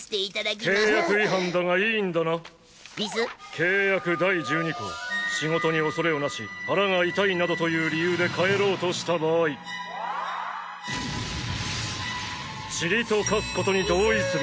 「契約第１２項仕事に恐れをなし腹が痛いなどという理由で帰ろうとした場合塵と化すことに同意する」。